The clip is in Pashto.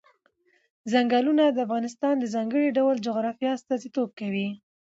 ځنګلونه د افغانستان د ځانګړي ډول جغرافیه استازیتوب کوي.